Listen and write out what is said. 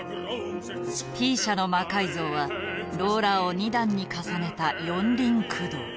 Ｔ社の魔改造はローラーを２段に重ねた四輪駆動。